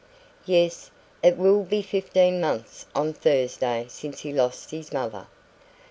Yes, it will be fifteen months on Thursday since he lost his mother."